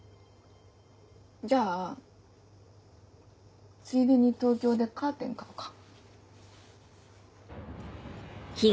じゃあついでに東京でカーテン買おうか。